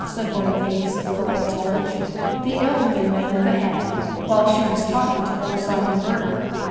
said one of these, Corporal Tullidge, the elderly man with the hat, while she was talking to old Simon Burden.